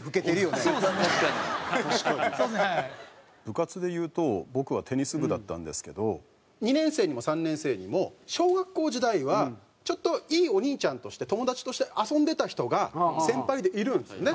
部活でいうと僕はテニス部だったんですけど２年生にも３年生にも小学校時代はちょっといいお兄ちゃんとして友達として遊んでた人が先輩でいるんですよね。